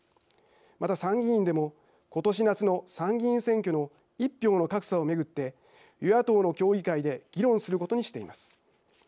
また参議院でも今年夏の参議院選挙の１票の格差を巡って与野党の協議会で議論することにしています。